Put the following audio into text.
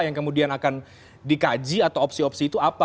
yang kemudian akan dikaji atau opsi opsi itu apa